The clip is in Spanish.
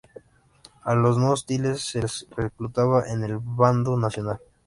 A los "no hostiles" se les reclutaba en el bando nacional.